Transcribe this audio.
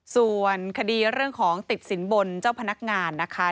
ส่วนคดีเรื่องของติดสินบนเจ้าพนักงานนะคะ